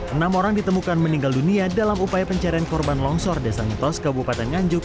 enam orang ditemukan meninggal dunia dalam upaya pencarian korban longsor desa mitos kabupaten nganjuk